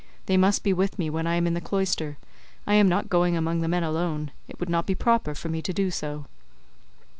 They must be with me when I am in the cloister; I am not going among the men alone; it would not be proper for me to do so."